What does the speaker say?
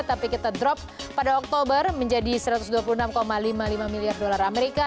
tapi kita drop pada oktober menjadi satu ratus dua puluh enam lima puluh lima miliar dolar amerika